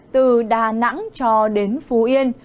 từ đà nẵng cho đến phú yên